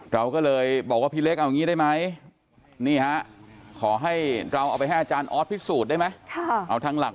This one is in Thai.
เราก็เลยบอกว่าพี่เล็กเอาอย่างนี้ได้ไหมนี่ฮะขอให้เราเอาไปให้อาจารย์ออสพิสูจน์ได้ไหมเอาทางหลัก